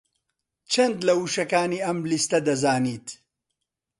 چەند لە وشەکانی ئەم لیستە دەزانیت؟